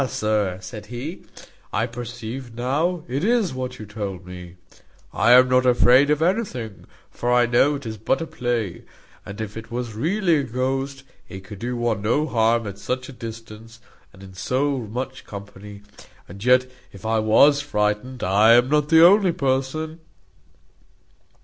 sir," said he, "I perceive now it is what you told me. I am not afraid of anything; for I know it is but a play. And if it was really a ghost, it could do one no harm at such a distance, and in so much company; and yet if I was frightened, I am not the only person."